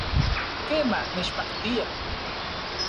Kema, nechpaktia